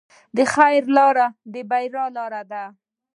د خیر لاره د بریا لاره ده.